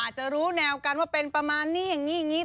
อาจจะรู้แนวกันว่าเป็นประมาณนี้อย่างนี้